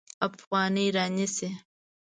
افغانۍ رانیسي.